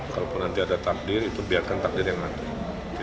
kalau nanti ada takdir itu biarkan takdir yang nanti